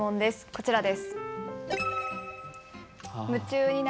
こちらです。